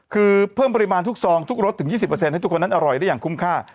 คือเพิ่มปริมาณทุกซองทุกรสถึง๒๐ให้ทุกคนนั้นอร่อยได้อย่างคุ้มค่า